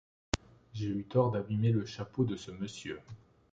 J’ai eu tort d’abîmer le chapeau de ce monsieur.